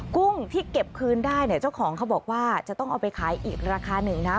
กุ้งที่เก็บคืนได้เนี่ยเจ้าของเขาบอกว่าจะต้องเอาไปขายอีกราคาหนึ่งนะ